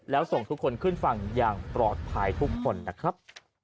แล้วส่งทุกคนขึ้นฝั่งอย่างปลอดภัยทุกคนนะครับ